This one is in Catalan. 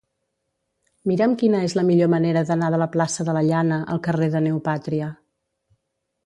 Mira'm quina és la millor manera d'anar de la plaça de la Llana al carrer de Neopàtria.